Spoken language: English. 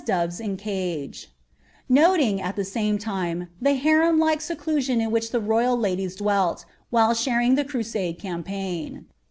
ovi « in ragul" I noting, at the rame time, the harem like sreliioinQ in which the roril ladies dwelt, while sharing the rruwde campaign.